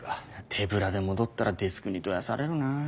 手ぶらで戻ったらデスクにどやされるなぁ。